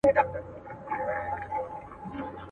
د دروازې پر سر یې ګل کرلي دینه.